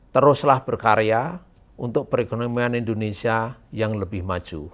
teruslah berkarya untuk perekonomian indonesia yang lebih maju